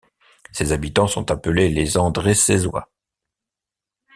Ses habitants sont appelés les Andrécézois.